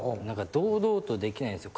堂々とできないんですよ